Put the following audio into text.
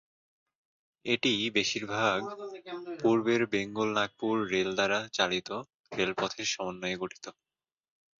এটি বেশিরভাগ পূর্বের বেঙ্গল নাগপুর রেল দ্বারা চালিত রেলপথের সমন্বয়ে গঠিত।